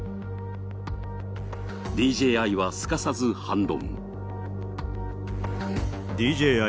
ＤＪＩはすかさず反論。